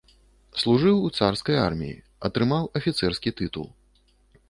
Служыў у царскай арміі, атрымаў афіцэрскі тытул.